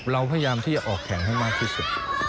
เราพยายามที่จะออกแข่งให้มากที่สุด